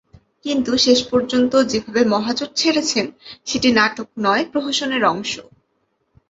কিন্তু শেষ পর্যন্ত যেভাবে মহাজোট ছেড়েছেন, সেটি নাটক নয়, প্রহসনের অংশ।